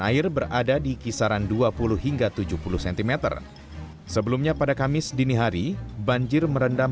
air berada di kisaran dua puluh hingga tujuh puluh cm sebelumnya pada kamis dini hari banjir merendam